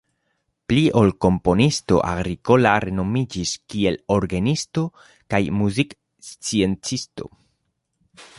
Pli ol komponisto Agricola renomiĝis kiel orgenisto kaj muziksciencisto.